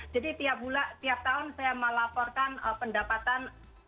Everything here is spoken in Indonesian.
jadi tiap bulan tiap tahun saya melaporkan pendapatan